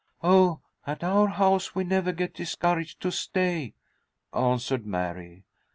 "Oh, at our house we never get discouraged to stay," answered Mary.